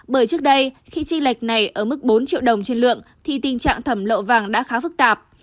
bởi trước đây khi chi lệch này ở mức bốn triệu đồng trên lượng thì tình trạng thẩm lậu vàng đã khá phức tạp